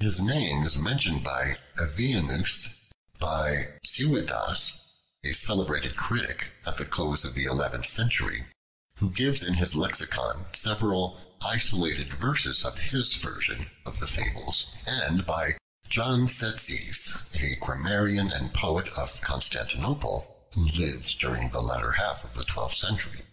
His name is mentioned by Avienus; by Suidas, a celebrated critic, at the close of the eleventh century, who gives in his lexicon several isolated verses of his version of the fables; and by John Tzetzes, a grammarian and poet of Constantinople, who lived during the latter half of the twelfth century.